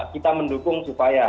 kita mendukung supaya